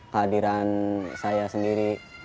kehadiran saya sendiri